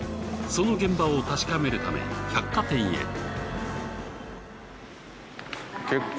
その現場を確かめるため百貨店へ。